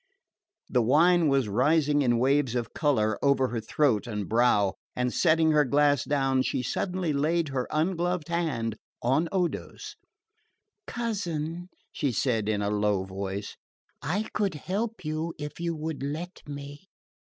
The wine was rising in waves of colour over her throat and brow, and setting her glass down she suddenly laid her ungloved hand on Odo's. "Cousin," she said in a low voice, "I could help you if you would let me."